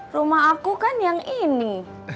rumah aku kan yang ini